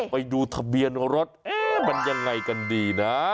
ไปดูทะเบียนรถมันยังไงกันดีนะ